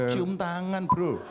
cium tangan bro